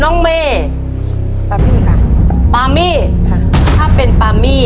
ของเราอีกสองคน